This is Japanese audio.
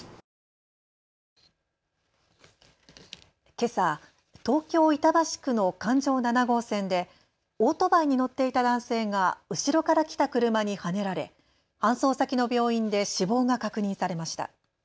けさ東京板橋区の環状７号線でオートバイに乗っていた男性が後ろから来た車にはねられ搬送先の病院で死亡が確認されました。